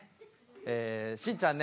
えしんちゃんね